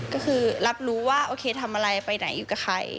ก็คือรับรู้ว่าโอเคทำอะไรไปไหนอยู่กับใคร